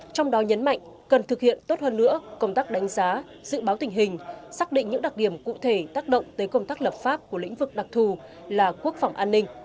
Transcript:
trong đó nhấn mạnh cần thực hiện tốt hơn nữa công tác đánh giá dự báo tình hình xác định những đặc điểm cụ thể tác động tới công tác lập pháp của lĩnh vực đặc thù là quốc phòng an ninh